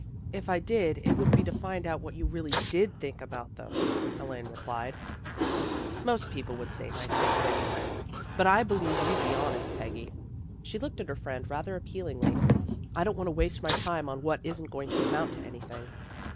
" If I did, it would be to find out what you really did think about them," Elaine replied. " Most people would say nice things, anyway, 140 THE GIRLS OF FRIENDLY TERRACE but I believe you'd be honest, Peggy." She looked at her friend rather appealingly. " I don't want to waste my time on what isn't going to amount to anything."